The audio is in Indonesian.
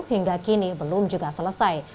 hingga kini belum juga selesai